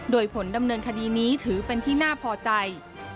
โดยผลดำเนินคดีนี้ถือเป็นที่น่าพอใจ